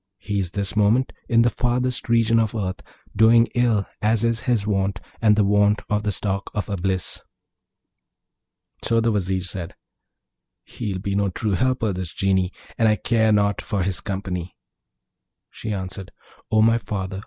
He's this moment in the farthest region of earth, doing ill, as is his wont, and the wont of the stock of Eblis.' So the Vizier said, 'He'll be no true helper, this Genie, and I care not for his company.' She answered, 'O my father!